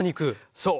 そう。